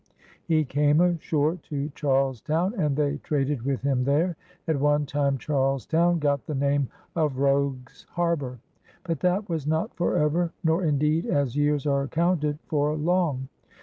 He came ashore to Charles Town, and they traded with him there. At one time Charles Town got the name of "Rogue's Harbor. " But that was not forever, nor indeed, as years are counted, for long.